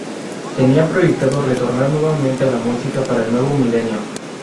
Tenía proyectado retornar nuevamente a la música para el nuevo milenio.